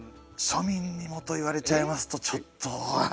「庶民にも」と言われちゃいますとちょっと。